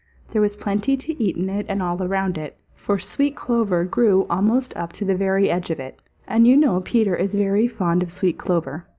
There was plenty to eat in it and all around it, for sweet clover grew almost up to the very edge of it, and you know Peter is very fond of sweet clover.